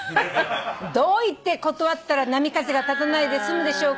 「どう言って断ったら波風が立たないで済むでしょうか」